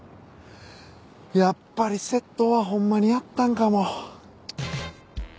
やっぱり窃盗はほんまにやったんかも。